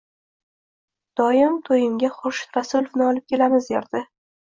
Doim to`yimga Xurshid Rasulovni olib kelamiz, derdi